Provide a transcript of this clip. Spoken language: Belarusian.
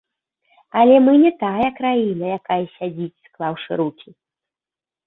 Але мы не тая краіна, якая сядзіць склаўшы рукі.